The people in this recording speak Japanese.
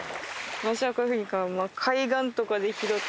私はこういうふうにへえ。